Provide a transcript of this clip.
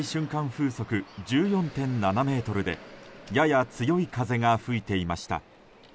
風速１４．７メートルでやや強い風が吹いていました。